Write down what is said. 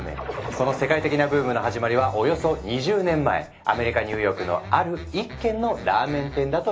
その世界的なブームの始まりはおよそ２０年前アメリカニューヨークのある一軒のラーメン店だといわれているんです。